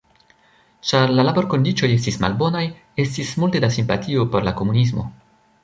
Ĉar la laborkondiĉoj estis malbonaj, estis multe da simpatio por la komunismo.